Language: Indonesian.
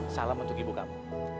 salam untuk ibu kamu